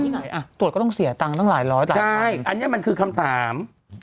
ไหนอ่ะตรวจก็ต้องเสียตังค์ตั้งหลายร้อยบาทใช่อันนี้มันคือคำถาม